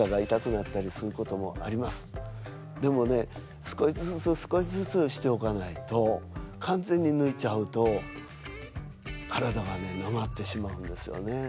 でもね少しずつ少しずつしておかないと完全にぬいちゃうと体がねなまってしまうんですよね。